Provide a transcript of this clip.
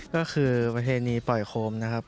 ก็คือประเพณีปล่อยโคมนะครับ